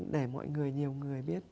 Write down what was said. để mọi người nhiều người biết